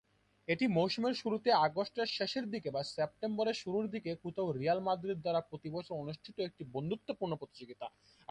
এটি মৌসুমের শুরুতে আগস্টের শেষের দিকে বা সেপ্টেম্বরের শুরুর দিকে কোথাও রিয়াল মাদ্রিদ দ্বারা প্রতি বছর অনুষ্ঠিত একটি বন্ধুত্বপূর্ণ প্রতিযোগিতা।